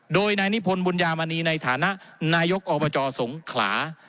โดยนายนิพนธ์บุญญามณีในฐานะนายกอบจสงขลา